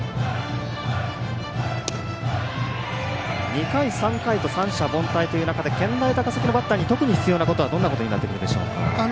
２回、３回と三者凡退という中で健大高崎のバッターに特に必要なことは何になってくるでしょうか。